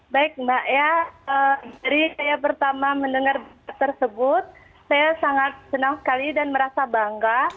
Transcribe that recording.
baik mbak ya dari saya pertama mendengar tersebut saya sangat senang sekali dan merasa bangga